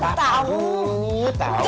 papa dulu tau